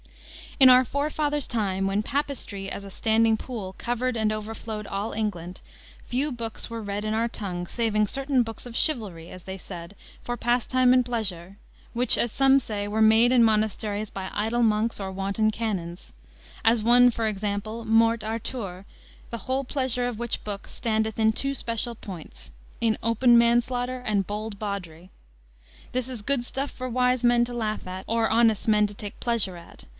"In our forefathers' time, when Papistry as a standing pool covered and overflowed all England, few books were read in our tongue saving certain books of chivalry, as they said, for pastime and pleasure, which, as some say, were made in monasteries by idle monks or wanton canons: as one, for example, Morte Arthure, the whole pleasure of which book standeth in two special points, in open manslaughter and bold bawdry. This is good stuff for wise men to laugh at or honest men to take pleasure at.